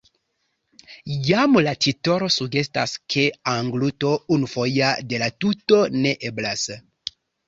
Jam la titolo sugestas, ke engluto unufoja de la tuto ne eblas.